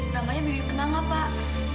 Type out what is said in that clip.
namanya bibi kenanga pak